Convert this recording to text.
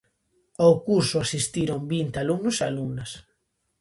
Ao curso asistiron vinte alumnos e alumnas.